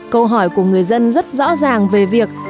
câu hỏi của người dân rất rõ ràng về việc